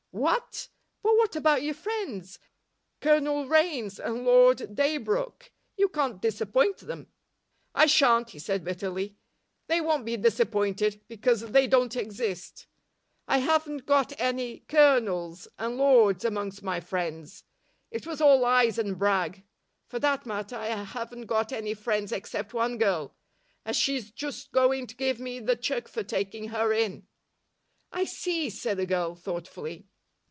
"What? But what about your friends Colonel Raynes and Lord Daybrooke? You can't disappoint them." "I shan't," he said bitterly. "They won't be disappointed, because they don't exist. I haven't got any colonels and lords amongst my friends. It was all lies and brag. For that matter, I haven't got any friends except one girl, and she's just going to give me the chuck for taking her in." "I see," said the girl, thoughtfully.